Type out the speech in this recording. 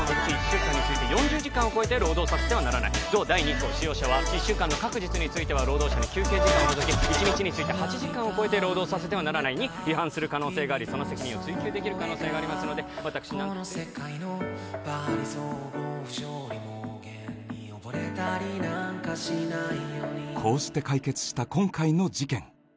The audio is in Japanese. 「１週間について４０時間を超えて労働させてはならない」「同第２項使用者は１週間の各日については労働者に休憩時間を除き」「１日について８時間を超えて労働させてはならない」に違反する可能性がありその責任を追及できる可能性がありますので私こうして解決した今回の事件